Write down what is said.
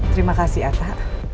terima kasih ata